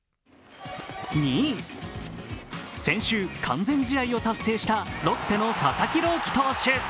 ２位、先週、完全試合を達成したロッテの佐々木朗希選手。